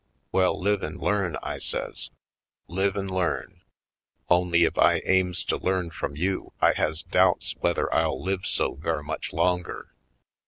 Well, live an' learn," I says, "live an' learn. Only, ef I aims to learn frum you I has doubts whether I'll live so ver' much longer."